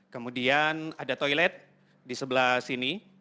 kemudian ada toilet di sebelah sini